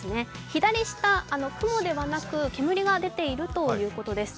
左下、雲ではなく煙が出ているということです。